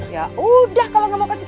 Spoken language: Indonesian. ya udah kalo gak mau kasih tanggung